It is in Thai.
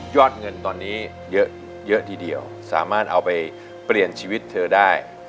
อดเงินตอนนี้เยอะทีเดียวสามารถเอาไปเปลี่ยนชีวิตเธอได้